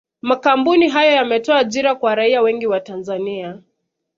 Makampuni hayo yametoa ajira kwa raia wengi wa Tanzania